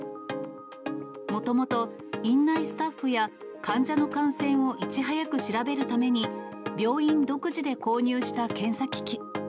もともと院内スタッフや患者の感染をいち早く調べるために、病院独自で購入した検査機器。